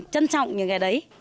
trân trọng những cái đấy